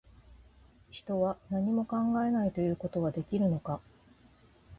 人は、何も考えないということはできるのか